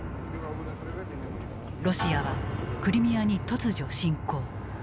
ロシアはクリミアに突如侵攻。